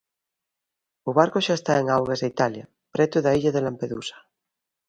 O barco xa está en augas de Italia, preto da illa de Lampedusa.